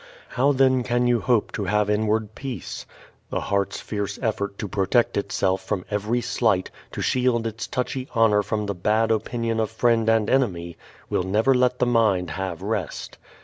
How then can you hope to have inward peace? The heart's fierce effort to protect itself from every slight, to shield its touchy honor from the bad opinion of friend and enemy, will never let the mind have rest.